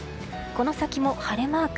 この先も晴れマーク。